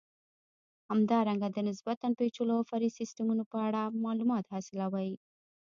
همدارنګه د نسبتا پېچلو او فرعي سیسټمونو په اړه معلومات حاصلوئ.